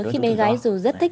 khi mẹ gái dù rất thích